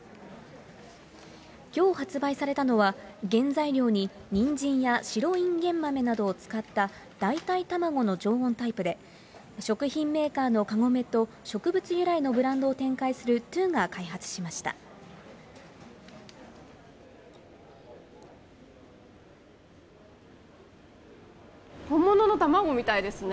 きょう発売されたのは、原材料ににんじんや白いんげん豆などを使った代替卵の常温タイプで、食品メーカーのカゴメと植物由来のブランドを展開するＴＷＯが開本物の卵みたいですね。